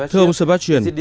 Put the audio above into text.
thưa ông sebastian